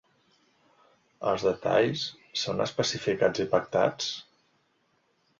Els detalls són especificats i pactats?